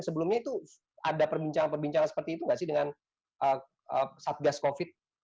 sebelumnya itu ada perbincangan perbincangan seperti itu enggak sih dengan satgas covid sembilan belas